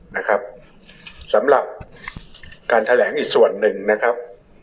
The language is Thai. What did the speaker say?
นะครับสำหรับการแถลงอีกส่วนหนึ่งนะครับ